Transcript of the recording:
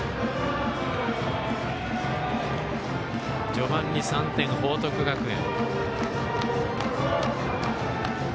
序盤に３点、報徳学園。